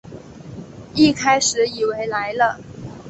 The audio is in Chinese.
一开始以为来了